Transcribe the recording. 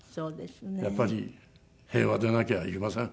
やっぱり平和でなきゃいけません。